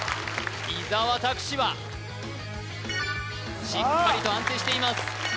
伊沢拓司はしっかりと安定しています